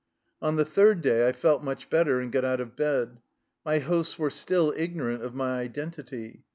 On the third day I felt much better, and got out of bed. My hosts were still ignorant of my identity.